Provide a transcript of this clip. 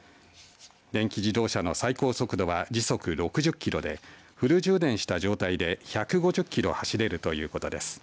電気自動車の最高速度は時速６０キロでフル充電した状態で１５０キロ走れるということです。